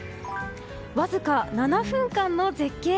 わずか７分間の絶景。